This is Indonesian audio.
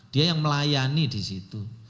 dia yang melayani di situ